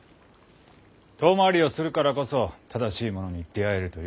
遠回りをするからこそ正しいものに出会えるというのに。